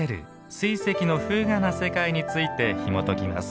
水石の風雅な世界についてひもときます。